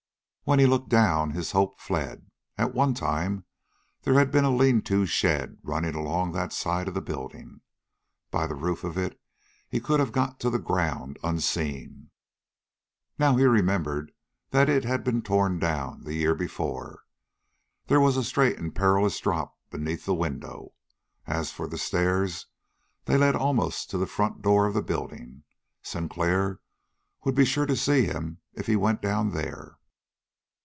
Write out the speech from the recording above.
When he looked down his hope fled. At one time there had been a lean to shed running along that side of the building. By the roof of it he could have got to the ground unseen. Now he remembered that it had been torn down the year before; there was a straight and perilous drop beneath the window. As for the stairs, they led almost to the front door of the building. Sinclair would be sure to see him if he went down there.